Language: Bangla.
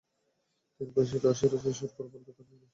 তিনি রসিয়ে রসিয়ে সুর করে বলতে থাকলেন, ধৈর্য ধারণ করেন ভাবি।